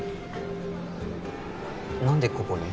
何でここに？